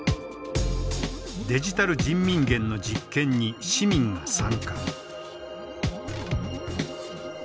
デジタル人民元の実験に市民が参加。